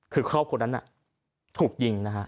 คือครอบครัวนั้นถูกยิงนะฮะ